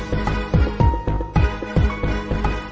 เห็นไหม